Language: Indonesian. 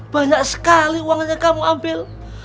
banyak sekali uangnya kamu ambil